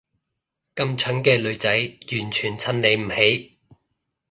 咁蠢嘅女仔完全襯你唔起